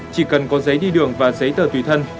chỉ cần có giấy đi đường và giấy tờ tùy thân